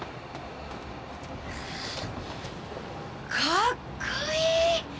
かっこいい！